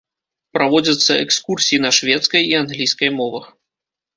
Праводзяцца экскурсіі на шведскай і англійскай мовах.